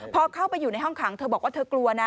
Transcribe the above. พอเข้าไปอยู่ในห้องขังเธอบอกว่าเธอกลัวนะ